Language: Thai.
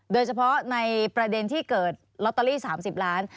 โดยเฉพาะในประเด็นที่เกิดลอตเตอรี่๓๐ล้าน